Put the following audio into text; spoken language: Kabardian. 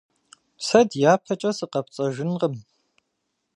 Сэ дяпэкӀэ сыкъэпцӀэжынкъым.